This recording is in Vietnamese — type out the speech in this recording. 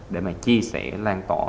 để mà chia sẻ lan tỏ